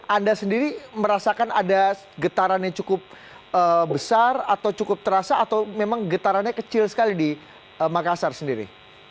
anda sendiri merasakan ada getaran yang cukup besar atau cukup terasa atau memang getarannya kecil sekali di makassar sendiri